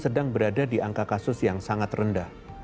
indonesia sudah berada di angka kasus yang sangat rendah